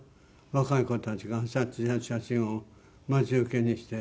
若い子たちが写真を待ち受けにして。